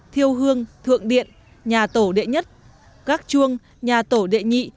thiêu hương thượng điện nhà tổ đệ nhất các chuông nhà tổ đệ nhị